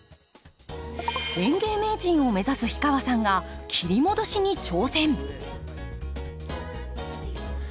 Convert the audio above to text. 園芸名人を目指す氷川さんが切り戻しに挑戦。